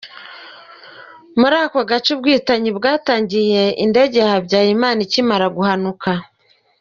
Muri aka gace ubwicanyi bwatangiye indege ya Habyarimana ikimara guhanuka.